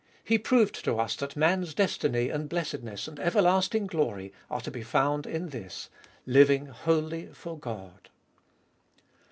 He proved to us that man's destiny and blessedness and ever lasting glory are to be found in this : Living wholly for God.